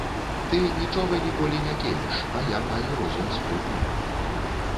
Ты нічога ніколі не кеміш, а я маю розум спрытны.